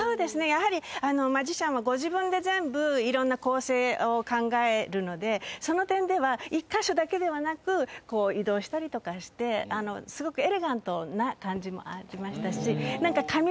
やはりマジシャンはご自分で全部いろんな構成を考えるのでその点では１カ所だけではなく移動したりとかしてすごくエレガントな感じもありましたし。